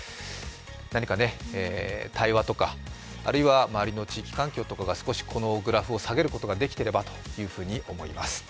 何かね、対話とか、あるいは周りの地域環境とかがこのグラフを下げることができていればと思います。